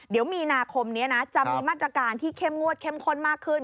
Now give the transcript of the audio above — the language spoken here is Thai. เดี๋ยวมีนาคมนี้นะจะมีมาตรการที่เข้มงวดเข้มข้นมากขึ้น